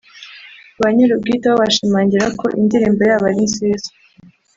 Ba nyir’ubwite bo bashimangira ko indirimbo yabo ari nziza